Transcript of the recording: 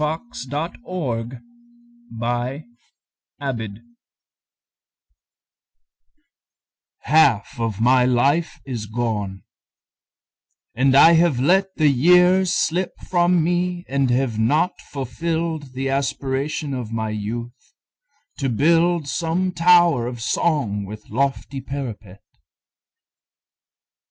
SONNETS MEZZO CAMMIN Half of my life is gone, and I have let The years slip from me and have not fulfilled The aspiration of my youth, to build Some tower of song with lofty parapet.